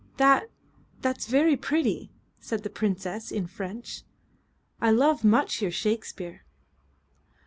'" "That that's very pretty," said the Princess in French. "I love much your Shakespeare."